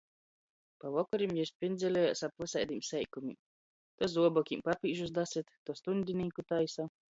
Pa vokorim jis pindzelejās ap vysaidim seikumim - to zuobokim papīžus dasyt, to stuņdinīku taisa.